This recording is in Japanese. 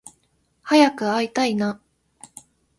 早く会いたいな